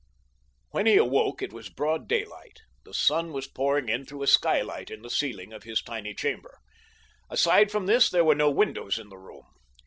When he awoke it was broad daylight. The sun was pouring in through a skylight in the ceiling of his tiny chamber. Aside from this there were no windows in the room.